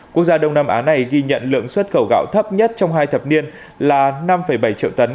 quốc gia đông nam á này ghi nhận lượng xuất khẩu gạo thấp nhất trong hai thập niên là năm bảy triệu tấn